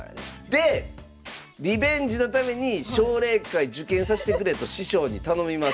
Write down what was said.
でリベンジのために奨励会受験さしてくれと師匠に頼みます。